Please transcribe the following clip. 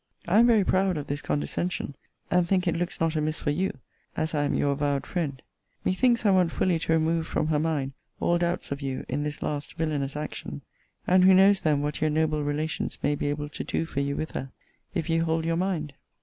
I am very proud of this condescension; and think it looks not amiss for you, as I am your avowed friend. Methinks I want fully to remove from her mind all doubts of you in this last villanous action: and who knows then what your noble relations may be able to do for you with her, if you hold your mind?